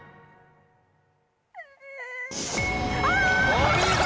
お見事！